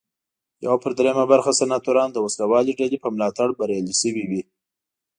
یو پر درېیمه برخه سناتوران د وسله والې ډلې په ملاتړ بریالي شوي وي.